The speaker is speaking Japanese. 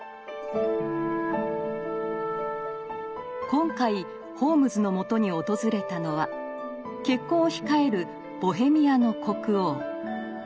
今回ホームズのもとに訪れたのは結婚を控えるボヘミアの国王。